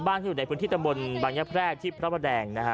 ที่อยู่ในพื้นที่ตำบลบางยะแพรกที่พระประแดงนะฮะ